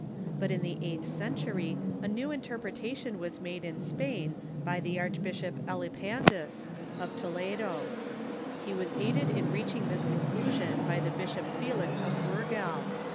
But in the eighth century a new interpreta tion was made in Spain by the Archbishop Elipandus, of Tole do. He was aided in reaching this conclusion by the Bishop Felix of Urgel.